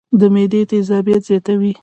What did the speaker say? د معدې تېزابيت زياتوي